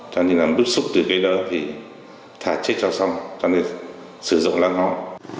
cho nên là bước xúc từ cây đó thì thả chết cho xong cho nên sử dụng lá ngón